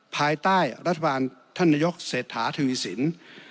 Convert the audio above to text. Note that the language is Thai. ภายใต้รัฐบาลท่านนโยคเศรษฐาธิวิสินทร์